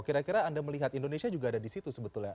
kira kira anda melihat indonesia juga ada di situ sebetulnya